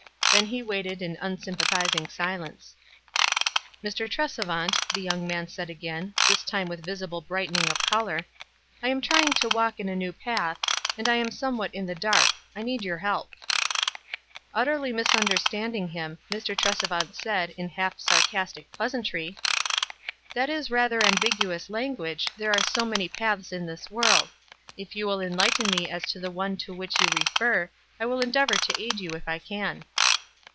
Then he waited in unsympathizing silence. " Mr. Tresevant," the young man said again, this time with visible brightening of color, "I am trying to walk in a new r path, and I am somewhat in the dark. I need your help.'* Utterly misunderstanding him, Mr. Tresevant said, in half sarcastic pleasantry, — "That is rather ambiguous language, there are so many paths in this world. If you will enlighten me as to the one to which you refer, I will endeavor to aid you if I can."